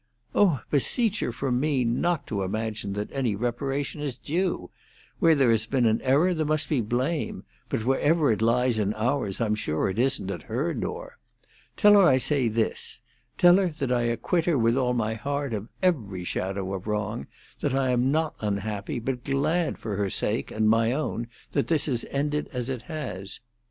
"Oh, beseech her from me not to imagine that any reparation is due! Where there has been an error there must be blame; but wherever it lies in ours, I am sure it isn't at her door. Tell her I say this; tell her that I acquit her with all my heart of every shadow of wrong; that I am not unhappy, but glad for her sake and my own that this has ended as it has."